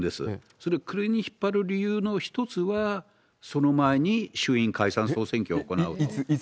それ、暮れに引っ張る理由というのは、一つは、その前に衆院解散・総選挙を行うと。